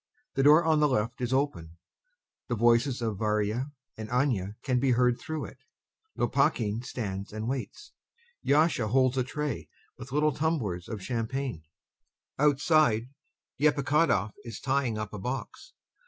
The door on the left is open; the voices of VARYA and ANYA can be heard through it. LOPAKHIN stands and waits. YASHA holds a tray with little tumblers of champagne. Outside, EPIKHODOV is tying up a box.